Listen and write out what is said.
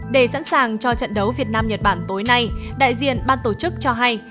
để sẵn sàng cho trận đấu việt nam nhật bản tối nay đại diện ban tổ chức cho hay